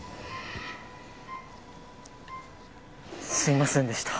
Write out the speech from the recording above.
すいませんでした。